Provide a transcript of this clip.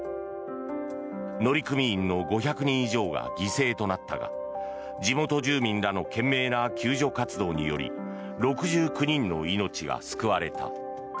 乗組員の５００人以上が犠牲となったが地元住民らの懸命な救助活動により６９人の命が救われた。